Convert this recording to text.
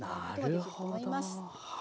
できると思います。